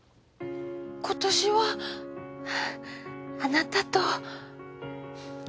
今年はあなたと。